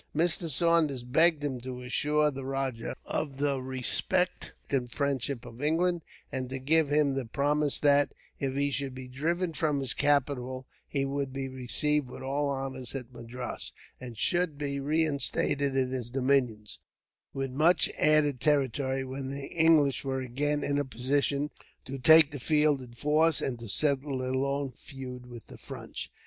Mr. Saunders begged him to assure the rajah of the respect and friendship of England, and to give him the promise that, if he should be driven from his capital, he would be received with all honor at Madras, and should be reinstated in his dominions, with much added territory, when the English were again in a position to take the field in force, and to settle their long feud with the French.